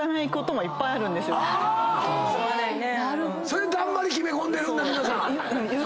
それでだんまり決め込んでるんだ皆さん。